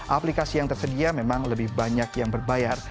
aplikasi yang tersedia memang lebih banyak yang berbayar